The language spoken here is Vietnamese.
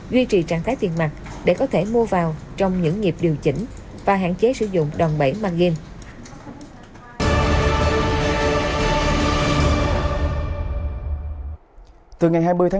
duy trì trạng thái tiền mặt để có thể mua vào trong những nghiệp điều chỉnh và hạn chế sử dụng đòn bẫy màng game